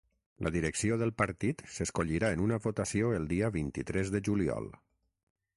La direcció del partit s’escollirà en una votació el dia vint-i-tres de juliol.